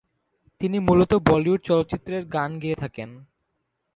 তিনি মূলত বলিউড চলচ্চিত্রের গান গেয়ে থাকেন।